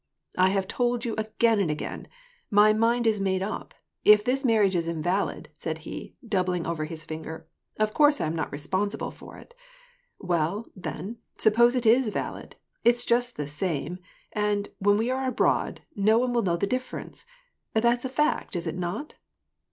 " I have told you again and again : my mind is made up : if this marriage is invalid," said he, doubling over his finger, "of course I am not responsible for it ; well, then, suppose it is valid ; it's just ..^ the same, and, when we are abroad, no one will know the*^ difference ; that's a fact, is it not